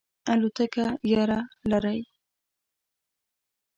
الوتکه یره لرئ؟